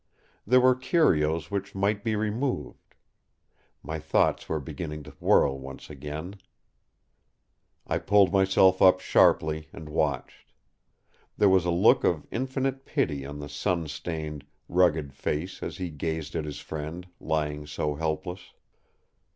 There were curios which might be removed.... My thoughts were beginning to whirl once again; I pulled myself up sharply and watched. There was a look of infinite pity on the sun stained, rugged face as he gazed at his friend, lying so helpless.